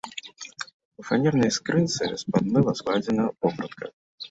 У фанернай скрынцы з-пад мыла складзена вопратка.